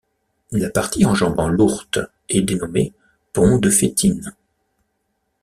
La partie enjambant l'Ourthe est dénommée pont de Fétinne.